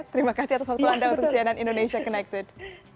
terima kasih atas waktu anda untuk cnn indonesia connected